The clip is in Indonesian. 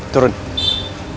turun dari mobil saya